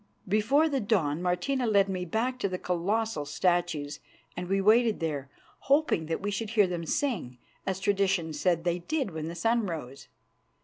Before the dawn Martina led me back to the colossal statues, and we waited there, hoping that we should hear them sing, as tradition said they did when the sun rose.